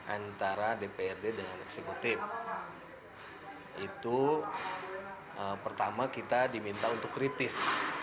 antara dprd dengan eksekutif itu pertama kita diminta untuk kritis